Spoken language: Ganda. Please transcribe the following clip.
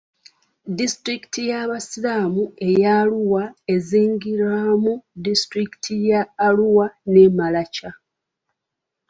Disitulikiti y'Abasiraamu ey'Arua ezingiramu disitulikiti ye Arua ne Maracha.